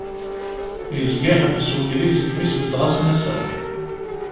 Yezga iḥebbes wegdil segmi i sbeddeɣ asnas-a.